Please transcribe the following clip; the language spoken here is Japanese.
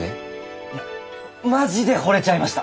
いやマジで惚れちゃいました。